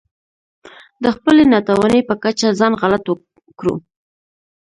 د خپلې ناتوانۍ په کچه ځان غلط کړو.